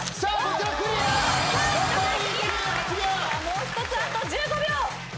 もう１つあと１５秒。